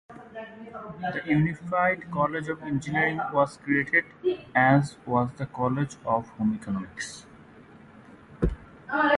The unified College of Engineering was created as was the College of Home Economics.